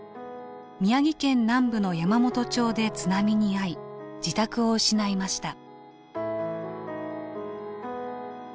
宮城県南部の山元町で津波に遭い自宅を失いました。